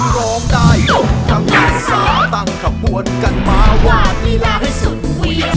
ร้องได้กำลังลูกคำสางไม่รู้